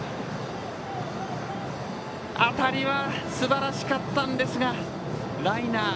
当たりはすばらしかったんですがライナー。